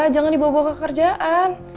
jangan dibawa bawa ke pekerjaan